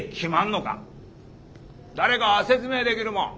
誰か説明できるもん。